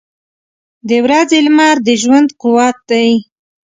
• د ورځې لمر د ژوند قوت دی.